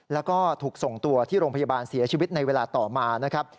แล้วก็ถูกส่งตัวที่โรงพยาบาลเสียชีวิตในเวลาต่อมานะครับ